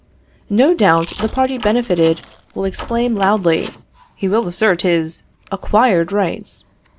No doubt the party benefited will exclaim loudly; he will assert his acquired rights.